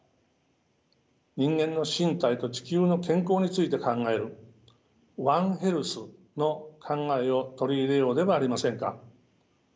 人間の身体と地球の健康について考えるワンヘルスの考えを取り入れようではありませんか。